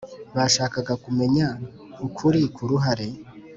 Bashakaga kumenya ukuri ku ruhare